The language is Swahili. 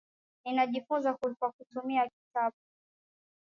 Ninajifunza kwa kutumia kitabu.